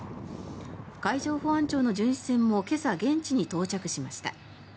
海上保安庁の巡視船も今朝、現地に到着しました。